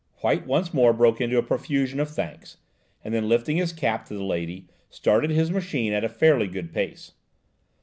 White once more broke into a profusion of thanks, and then, lifting his cap to the lady, started his machine at a fairly good pace.